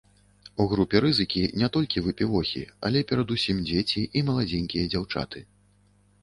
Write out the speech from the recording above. У групе рызыкі не толькі выпівохі, але перадусім дзеці і маладзенькія дзяўчаты.